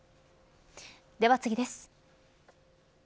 では次です。